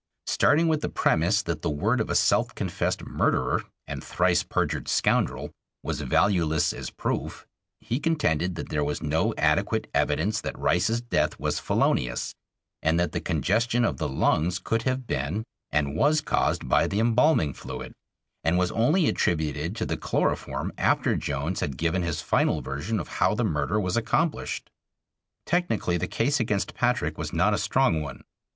Starting with the premise that the word of a self confessed murderer and thrice perjured scoundrel was valueless as proof, he contended that there was no adequate evidence that Rice's death was felonious, and that the congestion of the lungs could have been and was caused by the embalming fluid and was only attributed to the chloroform after Jones had given his final version of how the murder was accomplished. Technically the case against Patrick was not a strong one.